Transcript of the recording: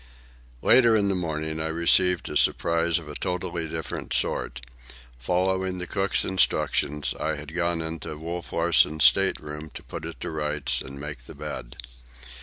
Later in the morning I received a surprise of a totally different sort. Following the cook's instructions, I had gone into Wolf Larsen's state room to put it to rights and make the bed.